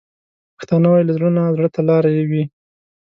پښتانه وايي: له زړه نه زړه ته لارې وي.